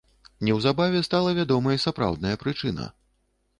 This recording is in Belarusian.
Неўзабаве стала вядомай сапраўдная прычына.